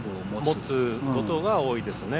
持つことが多いですよね。